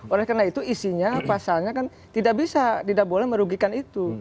oleh karena itu isinya pasalnya kan tidak bisa tidak boleh merugikan itu